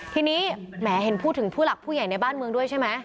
ทีนี้แหมเห็นพูดถึงผู้หลักผู้ใหญ่ในบ้านเมืองด้วยใช่ไหม